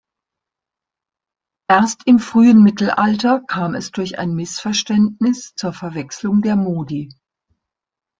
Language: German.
Erst im frühen Mittelalter kam es durch ein Missverständnis zur Verwechslung der Modi.